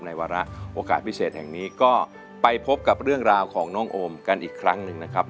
วาระโอกาสพิเศษแห่งนี้ก็ไปพบกับเรื่องราวของน้องโอมกันอีกครั้งหนึ่งนะครับ